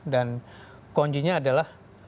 dan konjinya adalah